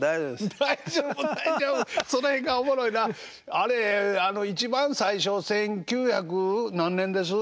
あれ一番最初１９００何年です？